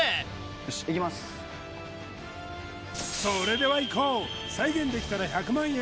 よしそれではいこう再現できたら１００万円